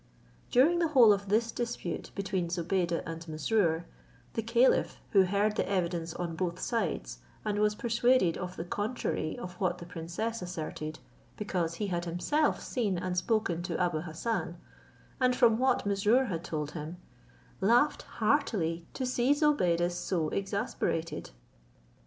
During the whole of this dispute between Zobeide and Mesrour, the caliph, who heard the evidence on both sides, and was persuaded of the contrary of what the princess asserted, because he had himself seen and spoken to Abou Hassan, and from what Mesrour had told him, laughed heartily to see Zobeide so exasperated.